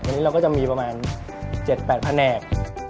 วันนี้เราก็จะมีประมาณ๗๘แผนก